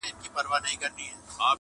د مرګ غېږ ته ورغلی یې نادانه،